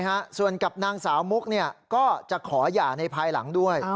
ฮะส่วนกับนางสาวมุกเนี่ยก็จะขอหย่าในภายหลังด้วย